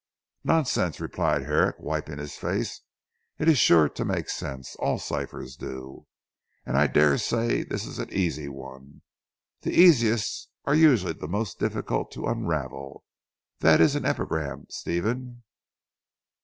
"Nonsense," replied Herrick wiping his face, "it is sure to make sense. All ciphers do. And I daresay this is an easy one. The easiest are usually the most difficult to unravel. That is an epigram Stephen."